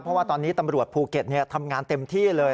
เพราะว่าตอนนี้ตำรวจภูเก็ตทำงานเต็มที่เลย